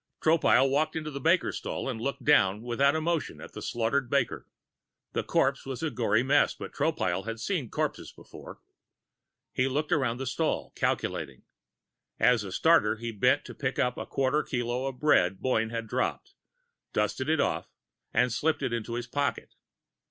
Tropile walked into the baker's stall and looked down without emotion at the slaughtered baker. The corpse was a gory mess, but Tropile had seen corpses before. He looked around the stall, calculating. As a starter, he bent to pick up the quarter kilo of bread Boyne had dropped, dusted it off and slipped it into his pocket.